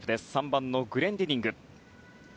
３番のグレンディニング。